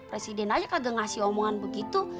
presiden aja kagak ngasih omongan begitu